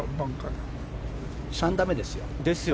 ３打目ですよ。